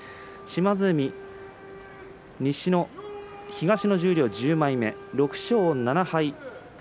島津海、東の十両１６枚目６勝７敗。